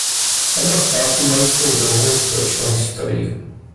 Oba státy mají svou dlouhou společnou historii.